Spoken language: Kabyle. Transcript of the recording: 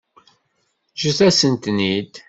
Ǧǧet-asent-ten-id.